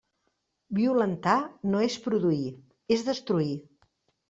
Violentar no és produir, és destruir.